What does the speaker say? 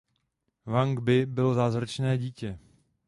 Wang Bi byl zázračné dítě.